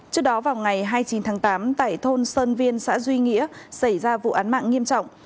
trước đó vào ngày hai mươi chín tháng tám tại thôn sơn viên xã duy nghĩa xảy ra vụ án mạng nghiêm trọng